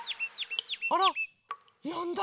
あら？やんだ！